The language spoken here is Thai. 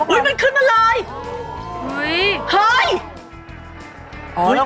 อุ้ยมันขึ้นมาเลย